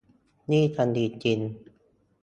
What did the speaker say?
นี่ทำดีจริง